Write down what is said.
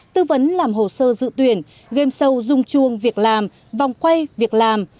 tư vấn làm hồ sơ dự tuyển game show dung chuông việc làm vòng quay việc làm